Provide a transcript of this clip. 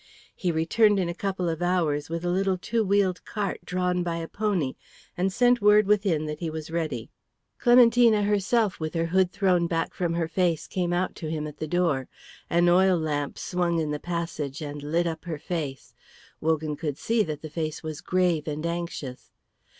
He returned in a couple of hours with a little two wheeled cart drawn by a pony, and sent word within that he was ready. Clementina herself with her hood thrown back from her face came out to him at the door. An oil lamp swung in the passage and lit up her face. Wogan could see that the face was grave and anxious.